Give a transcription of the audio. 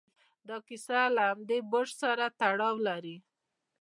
دا کیسه له همدې برج سره تړاو لري.